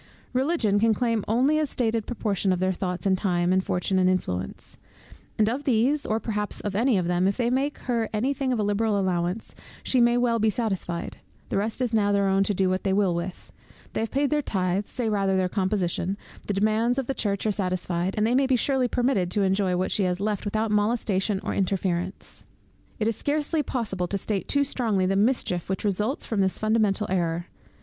Religion can claim only a stated proportion of their thoughts, and time, and fortune, and influence; and of these, or perhaps of any of them, if they make her any thing of a liberal allowance, she may well be satisfied: the rest is now their own to do what they will with; they have paid their tythes, say rather their composition, the demands of the Church are satisfied, and they may surely be permitted to enjoy what she has left without molestation or interference. It is scarcely possible to state too strongly the mischief which results from this fundamental error.